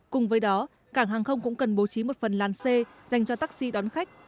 cùng với đó cảng hàng không cũng cần bố trí một phần làn c dành cho taxi đón khách